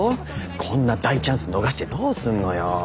こんな大チャンス逃してどうすんのよ。